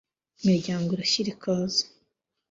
Iminyago irashyira ikaza